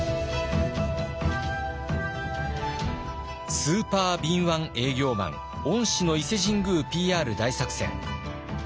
スーパー敏腕営業マン御師の伊勢神宮ＰＲ大作戦。